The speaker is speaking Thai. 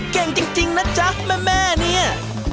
เก่งจริงนะจ๊ะแม่เนี่ย